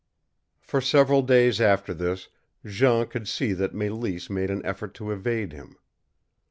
For several days after this Jean could see that Mélisse made an effort to evade him.